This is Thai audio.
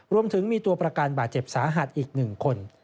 รวมถึงมีตัวประกันบาดเจ็บสาหัสอีก๑คน